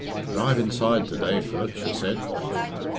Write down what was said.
"Drive inside to day, Philip," she said.